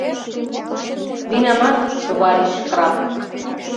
Винамат, товарищ шкраб...